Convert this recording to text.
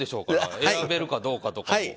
選べるかどうかとかも。